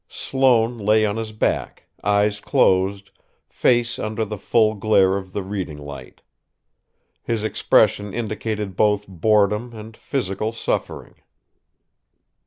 Sloane lay on his back, eyes closed, face under the full glare of the reading light. His expression indicated both boredom and physical suffering.